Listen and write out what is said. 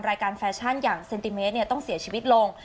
รายการแฟชั่นอย่างสเซนติเมทต้องเสียชีวิตโล่ง